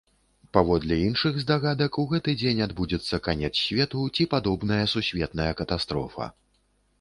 Паводле іншых здагадак, у гэты дзень адбудзецца канец свету ці падобная сусветная катастрофа.